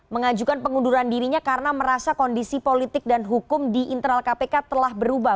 mengajukan pengunduran dirinya karena merasa kondisi politik dan hukum di internal kpk telah berubah